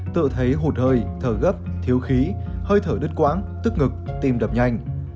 tự thấy hụt hơi thở gấp thiếu khí hơi thở đứt quãng tức ngực tim đập nhanh